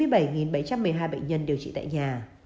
bảy mươi bảy bảy trăm một mươi hai bệnh nhân điều trị tại nhà